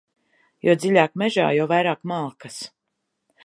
Jo dziļāk mežā, jo vairāk malkas.